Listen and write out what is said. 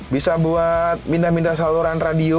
bisa buat pindah pindah saluran radio